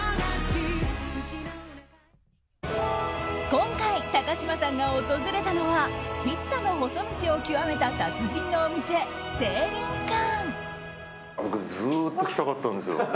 今回、高嶋さんが訪れたのはピッツァの細道を極めた達人のお店、聖林館。